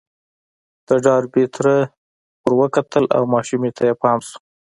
د ډاربي تره ور وکتل او ماشومې ته يې پام شو.